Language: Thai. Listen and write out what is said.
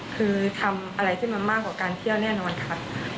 คือทำอะไรขึ้นมามากกว่าการเที่ยวแน่นอนค่ะ